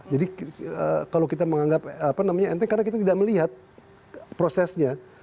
jadi kalau kita menganggap enteng karena kita tidak melihat prosesnya